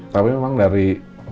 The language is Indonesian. tapi memang dari